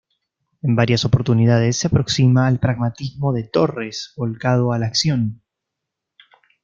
En varias oportunidades, se aproxima al pragmatismo de Torres, volcado a la acción.